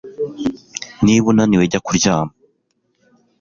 Niba unaniwe jya kuryama